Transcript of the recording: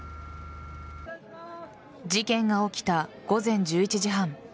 事件が起きた午前１１時半。